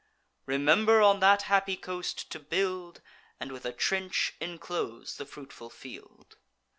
Remember on that happy coast to build, And with a trench inclose the fruitful field.